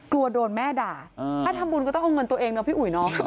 กลัวโดนแม่ด่าถ้าทำบุญก็ต้องเอาเงินตัวเองเนาะพี่อุ๋ยเนาะ